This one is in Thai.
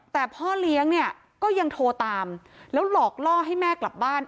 แต่พ่อเลี้ยงเนี่ยก็ยังโทรตามแล้วหลอกล่อให้แม่กลับบ้าน